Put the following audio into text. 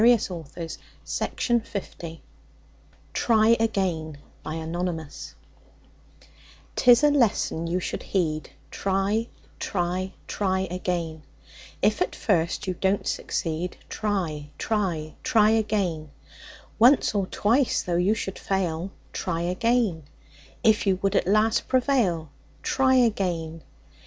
ROBERT LOUIS STEVENSON TRY AGAIN 'Tis a lesson you should heed, Try, try, try again; If at first you don't succeed, Try, try, try again. Once or twice though you should fail Try again; If you would at last prevail, Try again.